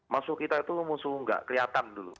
musuh kita itu musuh nggak kelihatan dulu